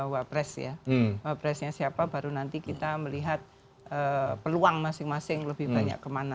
wapres ya wapresnya siapa baru nanti kita melihat peluang masing masing lebih banyak kemana